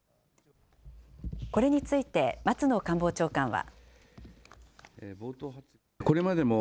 これについて松野官房長官は。